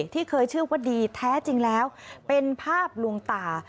ที่เคยชื่อว่าดีแท้จริงแล้วเป็นภาพลวงตา